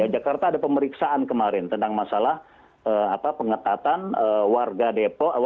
jakarta ada pemeriksaan kemarin tentang masalah pengetatan warga depok